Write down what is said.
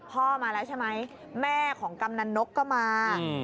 พ่อมาแล้วใช่ไหมแม่ของกำนันนกก็มา